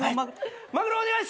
マグロお願いします！